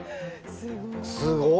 すごい。